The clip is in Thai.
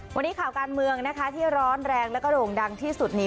วันนี้ข่าวการเมืองนะคะที่ร้อนแรงแล้วก็โด่งดังที่สุดนี้